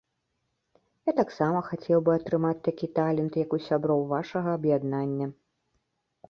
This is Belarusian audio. Я таксама хацеў бы атрымаць такі талент, як у сяброў вашага аб'яднання.